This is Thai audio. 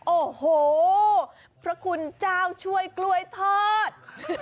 โอ้โหพระคุณเจ้าช่วยกล้วยทอด